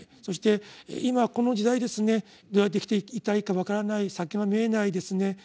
そして今この時代どうやって生きていったらいいか分からない先が見えないですね